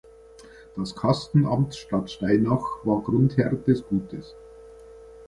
Das Kastenamt Stadtsteinach war Grundherr des Gutes.